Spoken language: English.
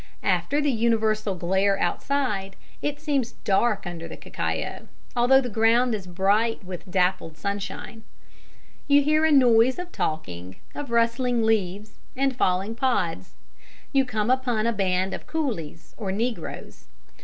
After the universal glare outside, it seems dark under the cacao, although the ground is bright with dappled sunshine. You hear a noise of talking, of rustling leaves, and falling pods. You come upon a band of coolies or negroes.